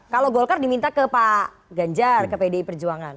kalau golkar diminta ke pak ganjar ke pdi perjuangan